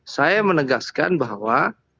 saya menegaskan bahwa